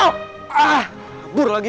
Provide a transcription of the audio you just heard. ah bur lagi